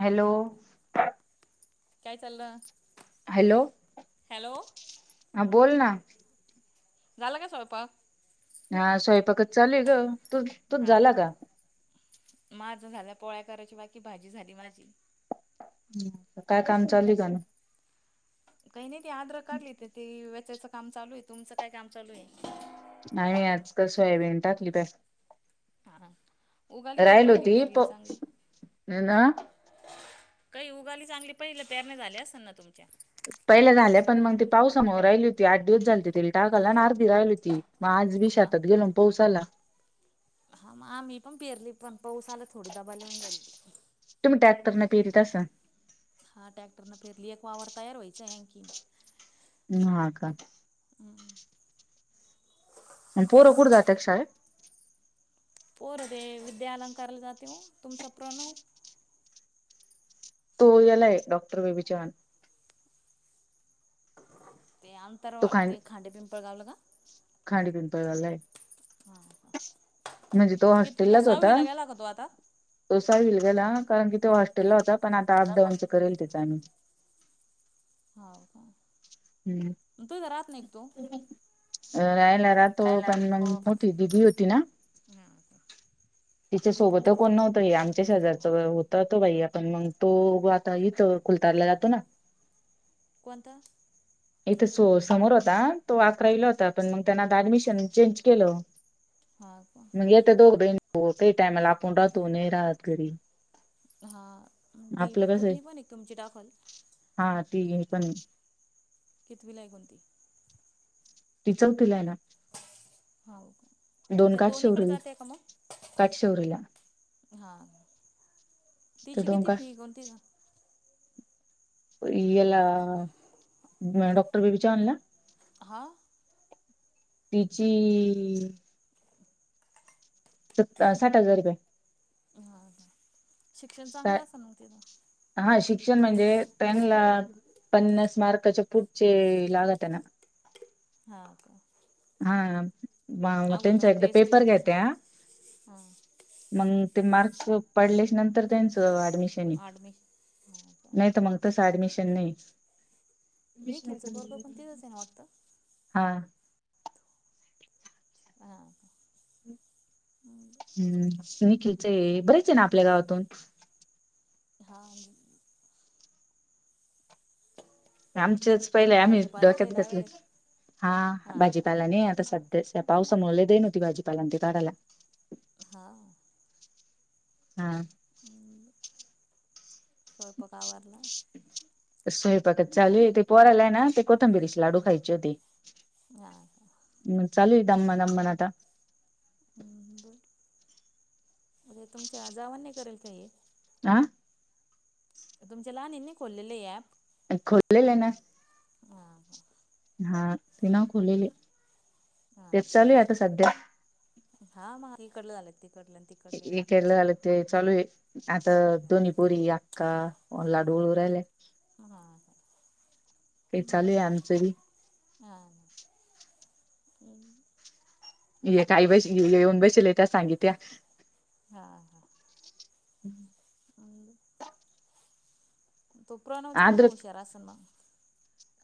Hello. काय चाललं? Hello. Hello हा बोल ना. झालं का स्वयपाक? हा. स्वयंपाकच चालूय ग. तुझ तुझा झाला का? माझ झाल्या पोळ्या करायची बाकी. भाजी झाली माझी. काय काम चालूए का ना? काही नाही ते आद्रक काढली ते वेचायचं काम चालू आहे. तुमचं काय काम चालू आहे? नाही. आजकाल सोयाबीन टाकली प- हा. उगाली का हो पहिली पेरले प चांगली? ना काही उगाली चांगली. पहिले पेरणी झाली असेल ना तुमची? पहिल्या झाल्या पण मग ते पावसामुळे राहिली होती. आठ दिवस झालेते तिले टाकायला आणि अर्धी राहिली होती. मग आज बी हा शेतात गेलो न पाऊस आला. हा मग आम्ही पण पेरली पण पाऊस आला थोडी दाबालेन झाले. पेरतासा. हा ट्रॅक्टर न पेरली. एक वावर तयार व्हायचाय आणखी. हम्. हा का? अन पोर कुठ जातात शाळेत? पोर ते विद्यालंकारला जाते हो. तुमचा प्रणव? तो यालाय डॉक्टर बेबी चव्हान. ते तो अंतरवा खां ते खांडे पिंपळ गावलं का? लंय. हा हा म्हणजे तो कितवीला हॉस्टेललाच होता. सहावीला गेला का तो आता? तो सहावीला गेला- कारण की ते हॉस्टेलला होता. पण आता अपडाऊनचं करेल त्याचं आम्ही. हाव का? हम्म. तुझा राहत नाही का तो? अ रायला राहतो. पण मग मोठी दिदी होती ना? हा का? तिच्या सोबत कोण नव्हतय येताना. पचास हजारचा होत तो बाई. आपण मग तो आता हिथं खुलतारला जातो ना? कोणता इथं सो समोर होता तो अकरा इला होता पण मग त्यांना आता ऍडमिशन चेंज केलं हा का? मग येत दोघ बहीणी तेही टायमाला आपण राहतो न राहात घरी हा ती आपलं कसं आहे पुत्नी पण एक तुमची टाखल हा ती हे पण कितीवीलाय कोणती टिचवतीला आहे [inaudible] हा दोन काठ.... शौरील काठ शौरला. हा तर तिची दोन किती काठ फी? कोणती ना? हिला डॉक्टर बीबी चानला [inaudible] हा तिची स साठ हजार रुपये. हा शिक्षण सा- चांगलं असा ना तिथ? हा शिक्षण म्हणजे त्यांना पन्नास मार्कांच्या पुढचे लागत आहे ना? हा का? ह अगोदर त्यांचा एकदा टेस्ट पेपर घेत घ्या असेल. त्या. हा. मग ते मार्क्स पडल्याच्या नंतर त्यांचं आडमी हा का? नाही तर मग तस ऍडमिशन नाही. निखिलचं विचारते पोरगं पण मग... तिथंच आहे ना वाटतं? हा हा का? हं निखिलच आहे. बरेच आहे ना, आपल्या गावातून हा आमच्याच पहिले आम्ही भाजीपाला काही डोक्यात घेतले. लावेल हा भाजीपाला नाहीत आता स पावसामुळे द [unintelligible] ई नव्हती. भाजीपालां ते काढायला हा हा स्वयंपाक आवरला? स्वयंपाक चालू आहे, ते पोराला आहेय ना ते कोथिंबिरीचे लाडू हा खायचे होते. का चालू दमादमान आता हं बर अरे तुमच्या जावां नाही करेल काही ये आ? तुमच्या लहानेनी खोललेले आहे ॲप? खोललेले आहे ना. हां हा ते ना खोललेले हां हां तेच चालू आहे. आता सध्या इकडल झालं ते हे केलं झालं ते चालू आहे, आता हां का दोन्ही पोरी, आक्का लाडू वळु राहिला हां का काही चालू आहे आमचं बी हा... ये काही बसल्या येऊन बसले त्या सांगित्या हा हा हं तो प्रणवना चांगला आद्र हुशारा आसन मग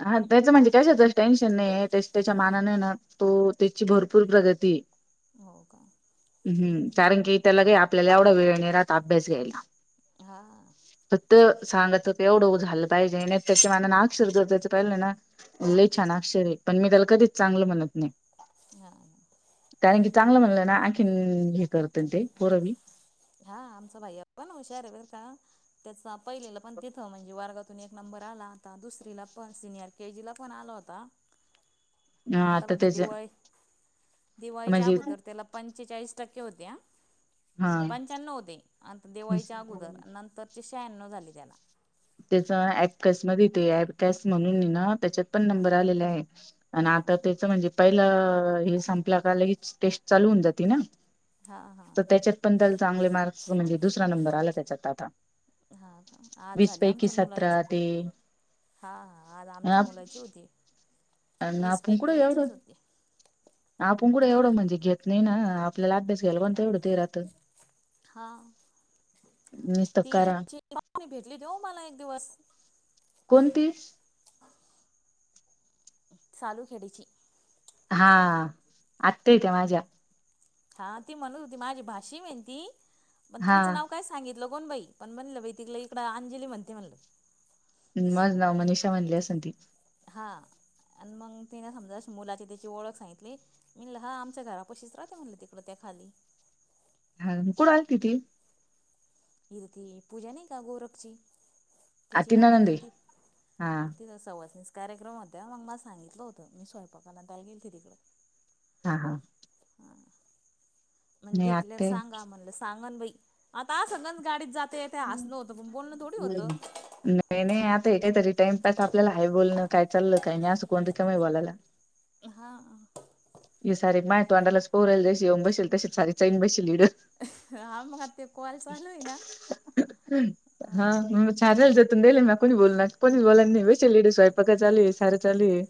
हा त्याच म्हणजे कशस टेन्शन नाही, त्या त्याच्या मानाने ना तो त्याची भरपूर प्रगती हो का? हं कारण की त्याला काही आपल्याला एवढा वेळ नाही राहत अभ्यास घ्यायला. हा तर सांगात एवढं उ झालं पाहिजे, त्याच्या मानांन अक्षर जर जायचं पाहिले ना लय छान अक्षर हे पण मी त्याला कधीच चांगलं म्हणत नाही. हां कारण की चांगलं म्हणलं ना, आणखीन ही करत्यात ते पोर बी हा आमचा भैया पण हुशार आहे बरं का त्याचा पहिलीला पण तिथं म्हणजे वर्गात एक नंबर आला होता. दुसरीला पण सिनियर के जी ला पण आला होत होता. आणि आता म्हणजे दिवाळी दिवाळीच्या म्हणजे अगोदर त्याला पंचेचाळीस टक्के होते हा. हा पंच्याण्णव होते दिवाळीच्या अगोदर नंतरचे शहाण्णव झाले ते आता. त्याचा ऍपकसमध्ये ते अँपकॅस म्हणून हे ना त्याच्यात पण नंबर आलेले आहे आणि हां आता त्याच म्हणजे पहिला हे संपलं का लगेच टेस्ट चालू होऊ जाती ना हां तर हां त्याच्यात पण चांगले मार्क्स म्हणजे दुसरा नंबर आला त्याच्यात आता. हा आज वीस झाली हा पैकी आ मुलाची सतरा ते हा आज आमच्या मुलाची होती. अन वीस आपूण कुड पैकीचीच एवढं. होती आपण कुठं एवढं आपल्याला म्हणजे घेत नाही ना आपल्याला अभ्यास घ्याला पण एवढं ते राहतं हा. निसत ती करा त्यांची पप्पी भेटली होती हो मला एक दिवस. कोणती? चालू खेडीची. हा आत्ता हे त्या माझ्या. हा ती म्हणत होती माझी भाची म्हेनती पण, हा तुमचं नाव काय सांगित तूला कोण बाई पण म्हणलं बा तिक इकड अंजली म्हणते म्हणलं. माझं नाव मनीषा म्हनली असन ती. हा आणि मग तिने समजा मुलाची तिची ओळख सांगितली म्हणलं हा आमच्या घरा पशीच राहते म्हणले तिकडे त्या खाली. हा कुड आलति ती? इथं ति पूजा नाही का गोरखची आ तिची ती नणंद आहे हे ना हा ती तिथं सवासनी कार्यक्रम होत्या मग मला सांगितलं होतं मी स्वयंपाकाला त्या गेलते तिकडं. हा हा म्हण नाही भेटल्यावर आत्या सांगा म्हणलं सांगन बाई. आता असंच गाडीत जात नाही नाही आता हेेत तरी टाइमपास आपल्याला आहे बोलण. काय चाललं काही नाही असं कोण रिकाम बोलायला, हा हे सार माहि [unintelligible] आ मग ते कॉल चालू हाय ना. हा म चालेल त्यातून नेले म कोणी बोलणार कोणीच बोलाय नाही बेश ले स्वयपाक चाली सारं चालू हे.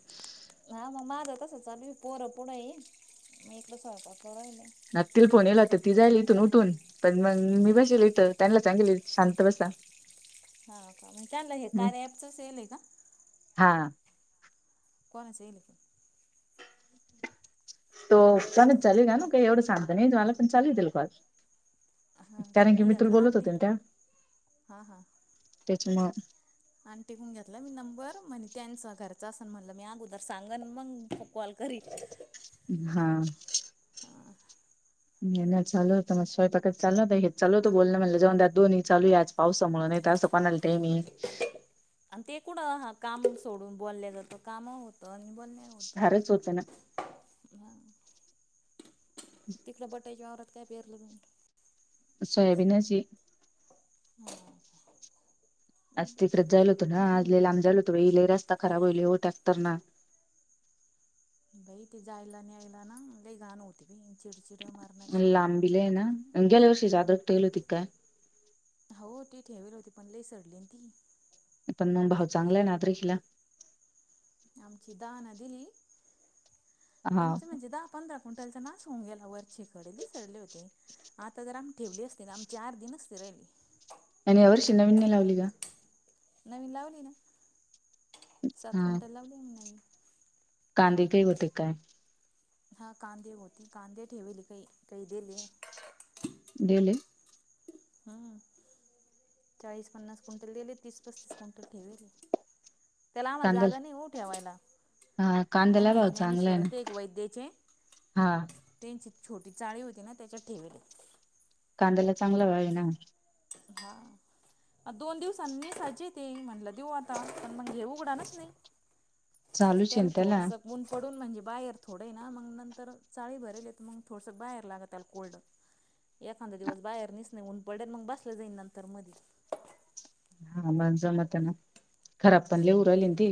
हा मग माझ तसचं चालू हे पोरं पुढे आहे मी इथं स्वयंपाक करायले. ह तिला फोन येला होत ती जाईल इथून उठून पण मग मी बसेल इथं त्यांना सांगेल शांत बसा. [unintelligible] हा. त्यांना हे कार्य ॲप् येईल का? हा कोनाचं हे? तो चालन चालन का ना काही एवढं सांगत नाही मला पण चालेल तिला पास हा का मी घेतला आंटी हा हा [unintelligible] आण तिकून घेतला मी नंबर म्हणजे त्यांच घरचा असेल म्हणलं मी अगोदर सांगन मग कॉल घरी हा.. नाही नाही ल तर मग सवयपाकत चाल हे लतो बोल म्हणलं जऊन द दोन् चालू आज पावसामुळेणून त्यावसा पणाल टय म. आणि ते कुठं हा काम सोडून बोलले जातं काम होत. जवन नाही होतो फारच होतं ना ह. तिकला बटायच्या आवरात काय पेरलं जाऊ? सोयाबीनची. हम. आज तिकडेत जायला होतो ना आजलेला आम्ही जायल होतोले रस्ता खराब होईल हो टॅक् तर ना. बाई ते जायला नाही यायला ना काही गाण होती बी. लांबिले आहे ना गेल्या वर्षी हम्म जाद्रक ठेल होती काय? हो तेी ठेवेल होती पण लई सडली ती. पण भाऊ चांगलाय नादरिकिला. आमची दहा ना दिली हा आमच म्हणजे दहा पंधरा. कोटलता नाच होऊ गेला वर चि खडली चडली होती. आता तर आमही ठेवली असती ना आमही चार दिनचते राहिली. आणि यावर्ष नवीनने लावली का. नवीन लावली ना सात क्विंटल लावली आमी नवीन, कांदी काही होते काय. हा कांदे होती कांदे ठेवली काही काही दिले. डडेले. हम्म चाळीस पन्नास क्विंटल दिले तीस पस्तीस क्विंटल ठेवेल. त्याला आमला कांद्याला जागा नाही होऊ ठेवायला. हा पण कांद्याला मी भाव येणे आणि चांगला आहे ना शरणचे एक वैद्याचे. हा त्यांची छोटी चाळी होती ना त्याच्यात ठेलेली. कांद्याला चांगला व्हावे ना हा आ दोन दिवसांनीी साजेेत म्हणलं देऊ आता पण मग हे उघडाानच नाही. आणि चालूच आहे त्याला ना थोडस गन पडून म्हणजे बाहेर. थोड ना मग नंतर चाळी भरल मग थोडस बार लागत कोल्ड. एखादा दिवस बाहेर निस नाही उऊन पड्या मग बसल्या जाईन नंतर मध. हा मण जमत ना खराब पणले उरली त.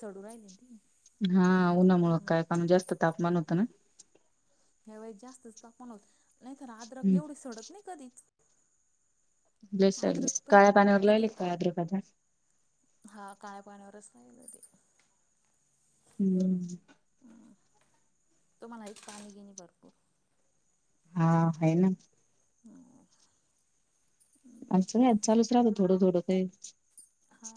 सोडू राहिले त. हा उन्हामुळ काय काण जास्त तापमान होतं ना. ह्यावेस जास्तच तापमान होत नाहीतर आद्रक हम्म, एवढी सडत नाही कधीच. सल अद्रक पण काळे्या किती पाणीवररलायल काय्रे पदा. हा काय पाण्यावरच नाही हो. हम्म. तुम्हाला एक पाणी घेणे भरपूर. हा आहे ना. ह. असं का चालूच राहत थोडं थोडं ते. हा.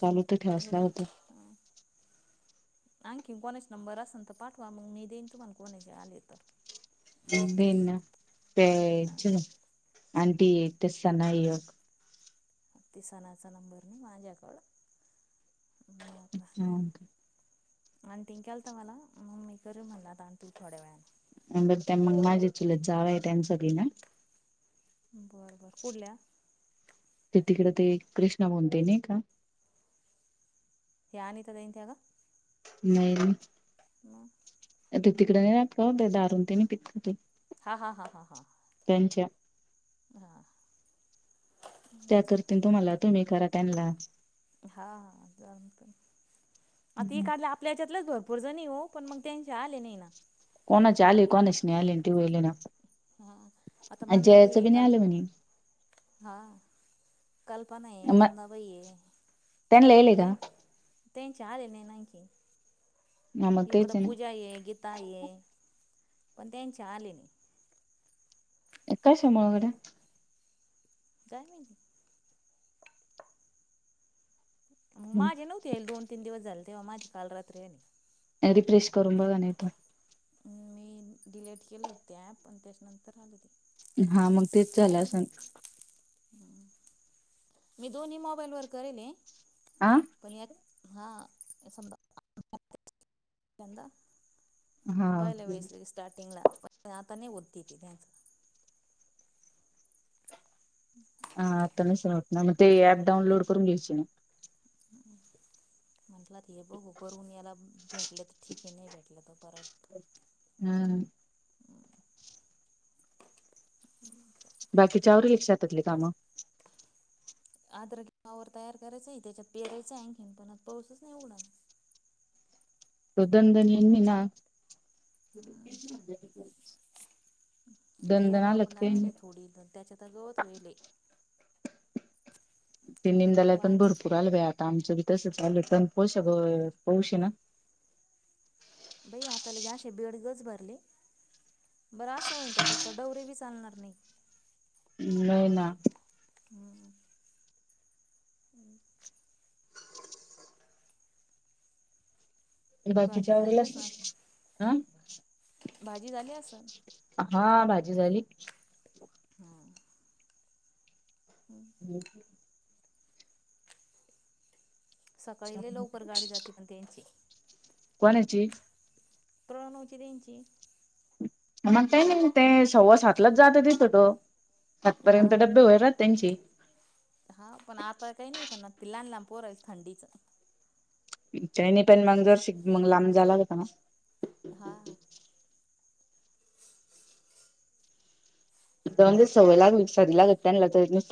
चालू तर ठसला होता. [inaudible] आणखीन कोणाचा नंबर असेल तर पाठवा मग मी देईन तुम्हाला कोणाचे आले तर. अन हां पच. आंटी तेसतानाग. ते सणाचा नंबर नाही माझ्याकड. हा का? आणि ती केल तर म्हाला मग मी कर म्हणला आणि तू थोड्या वेळ आणि बघ त्या मग माझी चुलत जावंय त्यां सगळी ना. बरं बरं कुठल्या ते तिकड ते कृष्णा म्हणते नाही का? यानतदायत्याग. नाहीर. [unintelligible] ते तिकडे नाही का दारून ते नाही का पीत हा हा हा हा हा अच्छा [unintelligible] त्या करतील तुम्हाला तुम्ही करा त्यांना हा जात आता काढलं आपल्या यांच्यात भरपूरच नाही हो पण मग त्यांचे आले नाही ना कोण आले कोणच नाही आले तेवले ना आप हा आता म्हणंद भ ये काल आलं म्हणे हा कल्पना आहे मग मंदबाई त्यांना येले आहे का त्यांचे आले नाही ना आणखी. ह मग इकडे तेच आहे ना पूजा ये, गीता ये, पण त्याचे आले. कशामुळे? जाय मि मग गड्या माझे नव्हते येल दोन तीन दिवस झाले तेव्हा माझी काल रात्री आली. रिप्रेश करून बघा ना एकदा. मी डिलेट केलं होते ते ॲप त्याच्या नंतर आले होती. हा मग तेच झालं असण मी दोन्ही मोबाईल वर करेलये. आ हा [unintelligible] धंदा पहिले हा वेळेस लई स्टारटिंगला पण आता नाही होती ती त्यांच ह आता नाही सल वाट ना मग ते ऍप डाउनलोड करून घ्यायची ना म्हटला तर हे बघू करून याला भेटले तर ठीके नाही भेटले त परत हम् बाकीचे आवरले का शेतातली काम आद्रवर तयार करायचा आहे त्याच्यात पेरायचं आणखीन पण आज पाऊसच नाही उघडाला [unintelligible] हम्म [unintelligible] ती हलो आपण आलात काही लावेली नाही थोडी त्याच्यात गवत व्हायेल ते निदायला पण वांगे भरपूर आलय बाई आता आमचं बी. तस चालू पण पोहशक पोहशी ना बाई आता लगे असे बेडगच भरले. बरा अस होईन त्याच्यात डवरे बी चालणार नाही नाही ना. हम् हम् बाकीच्या भाजी झाली वेळेला असन आ भाजी झाली असेल. हा भाजी झाली. हम्म हम् सकाळी लवकर गाडी जाते पण त्यांची कोणाची? प्रणव ची त्यांची मग काय नाही म ते सव्वा सातलाच जात तिथे त हा आतापर्यंत डबे होयल राहतात त्यांचे हा पण आता काही नाही पण ते लहान लहान पोर आहे थंडीच चैनी पॅन मग आता जर शिक मंग लांब जायला लागत ना हा म्हणजे सवय लागली सारी लागती त्यांना तरी नुस